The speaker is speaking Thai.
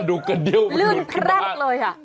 ฮุ้ยเรื่องแรกเลย